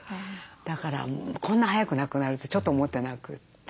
だからこんな早く亡くなるってちょっと思ってなくて。